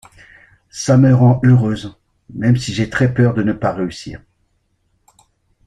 Ça me rend heureuse même si j’ai très peur de ne pas réussir.